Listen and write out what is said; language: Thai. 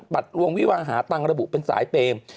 บัตรวงวิวาหาตังระบุเป็นสายเปม